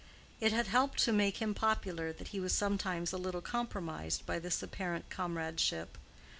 It had helped to make him popular that he was sometimes a little compromised by this apparent comradeship.